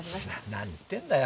何言ってんだよ。